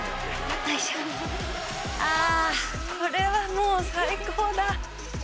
ああ、これはもう最高だ。